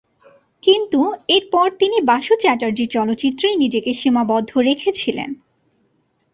কিন্তু এরপর তিনি বাসু চ্যাটার্জী-র চলচ্চিত্রেই নিজেকে সীমাবদ্ধ রেখেছিলেন।